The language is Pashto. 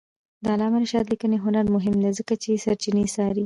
د علامه رشاد لیکنی هنر مهم دی ځکه چې سرچینې څاري.